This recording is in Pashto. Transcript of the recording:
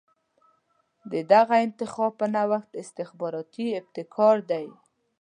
د دغه انتخاب په نوښت استخباراتي ابتکار دی.